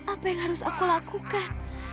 apa yang harus aku lakukan